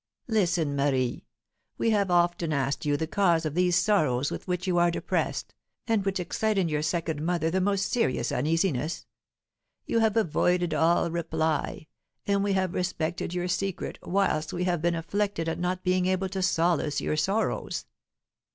"Listen, Marie. We have often asked you the cause of these sorrows with which you are depressed, and which excite in your second mother the most serious uneasiness. You have avoided all reply, and we have respected your secret whilst we have been afflicted at not being able to solace your sorrows."